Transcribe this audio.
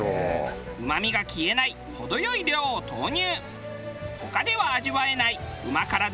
うまみが消えない程よい量を投入。